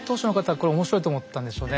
これ面白いと思ったんでしょうね。